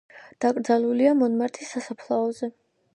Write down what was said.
დაკრძალულია მონმარტრის სასაფლაოზე.